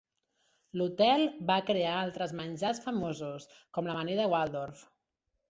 L'hotel va crear altres menjars famosos, com l'amanida Waldorf.